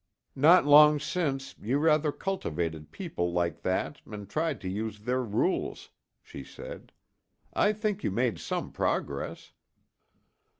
"Not long since, you rather cultivated people like that and tried to use their rules," she said. "I think you made some progress."